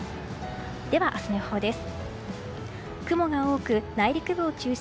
では、明日の予報です。